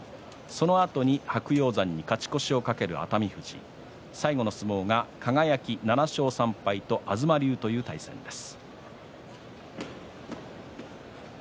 そのあと白鷹山に勝ち越しを懸ける熱海富士最後の相撲が７勝３敗、輝と東龍の対戦です。